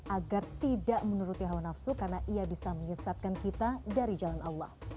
agar tidak menuruti hawa nafsu karena ia bisa menyesatkan kita dari jalan allah